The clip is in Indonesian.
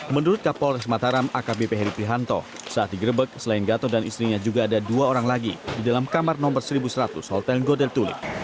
menurut kapolres mataram akbp heri prihanto saat digerebek selain gatot dan istrinya juga ada dua orang lagi di dalam kamar nomor seribu seratus hotel goder tulik